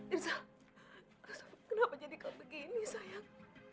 irzal kenapa jadikan begini sayang